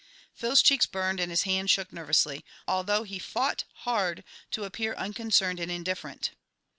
Phil's cheeks burned and his hands shook nervously, although he fought hard to appear unconcerned and indifferent.